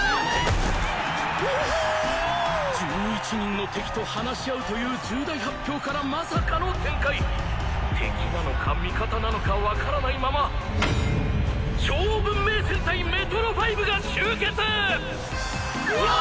１１人の敵と話し合うという重大発表からまさかの展開敵なのか味方なのか分からないまま超文明戦隊メトロファイブが集結！